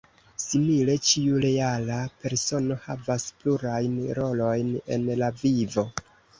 Simile, ĉiu reala persono havas plurajn rolojn en la vivo.